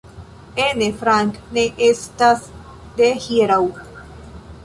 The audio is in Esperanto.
Anne Frank ne estas de hieraŭ.